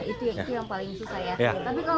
itu yang paling susah ya